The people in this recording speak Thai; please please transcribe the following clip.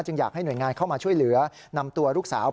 อยากให้หน่วยงานเข้ามาช่วยเหลือนำตัวลูกสาว